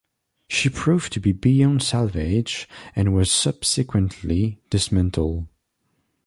She proved to be beyond salvage and was subsequently dismantled.